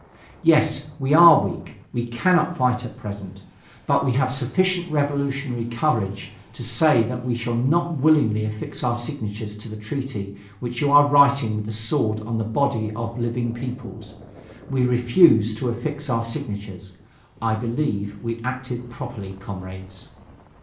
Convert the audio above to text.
Yes, we are weak, we cannot fight at present. But we have sufficient revolutionary courage to say that we shall not willingly affix our signature to the treaty which you are writing with the sword on the body of living peoples. We refused to affix our signature. I believe we acted properly, comrades.